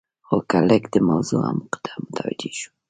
خو که لږ د موضوع عمق ته متوجې شو.